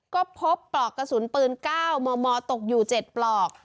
ก็พบปลอกกระสุนปืน๙มมตกอยู่๗ปลอก